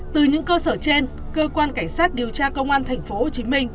từ những cơ sở trên cơ quan cảnh sát điều tra công an tp hcm